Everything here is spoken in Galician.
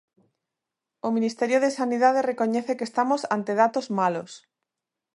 O Ministerio de Sanidade recoñece que estamos ante datos malos.